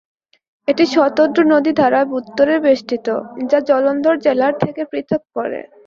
এটি শতদ্রু নদী দ্বারা উত্তরে বেষ্টিত, যা জলন্ধর জেলার থেকে পৃথক করে।